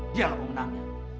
dia yang akan menang